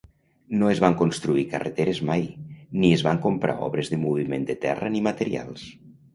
No es van construir carreteres mai, ni es van comprar obres de moviment de terra ni materials.